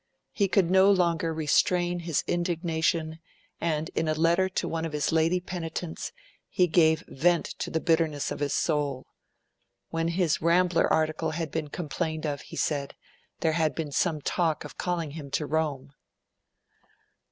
He could no longer restrain his indignation, and in a letter to one of his lady penitents, he gave vent to the bitterness of his soul. When his Rambler article had been complained of, he said, there had been some talk of calling him to Rome.